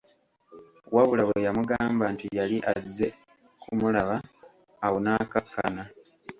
Wabula bwe yamugamba nti yali azze kumulaba awo n'akkakkana.